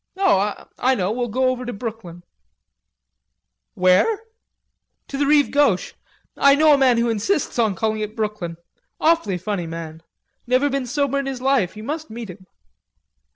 O, I know, we'll go over to Brooklyn." "Where?" "To the Rive Gauche. I know a man who insists on calling it Brooklyn. Awfully funny man... never been sober in his life. You must meet him."